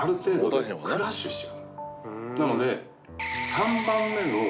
なので。